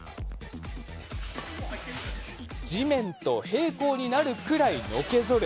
地面と平行になるくらいのけぞる！